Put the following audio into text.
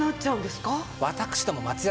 私ども松屋